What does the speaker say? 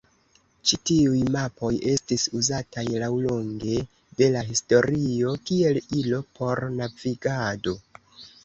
Ĉi tiuj mapoj estis uzataj laŭlonge de la historio kiel ilo por navigado.